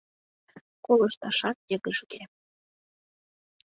Колышташат йыгыжге.